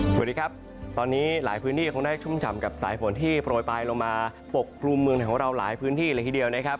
สวัสดีครับตอนนี้หลายพื้นที่คงได้ชุ่มฉ่ำกับสายฝนที่โปรยปลายลงมาปกครุมเมืองไทยของเราหลายพื้นที่เลยทีเดียวนะครับ